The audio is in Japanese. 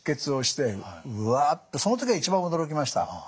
その時が一番驚きました。